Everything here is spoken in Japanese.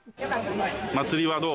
祭りはどう？